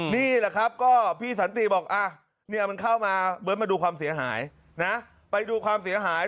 นี่ล่ะครับพี่สันติบอกนี่มันเข้ามาเบิร์ตมาดูความเสียหาย